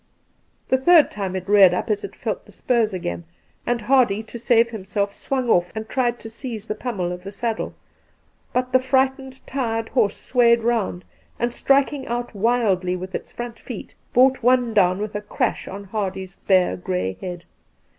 The third time it reared up as it felt the spurs again, and Hardy, to save himself, swung off and tried to seize the pommel of the saddle ; but the frightened, tired horse swayed round and, striking out wildly with his front feet, brought one down with a crash on Hardy's bare gray head.